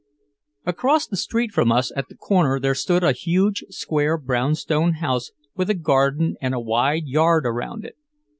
Across the street from us at the corner there stood a huge, square brownstone house with a garden and a wide yard around it.